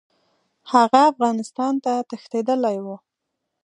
هغه افغانستان ته تښتېدلی وو.